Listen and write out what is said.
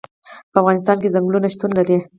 په افغانستان کې ځنګلونه شتون لري.